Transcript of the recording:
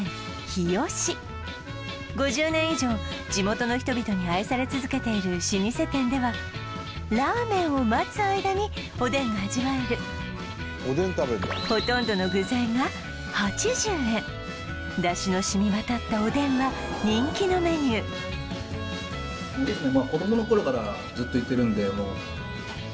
日吉５０年以上地元の人々に愛され続けている老舗店ではラーメンを待つ間におでんが味わえるほとんどの具材が８０円ダシの染みわたったおでんは人気のメニューかなっていうかね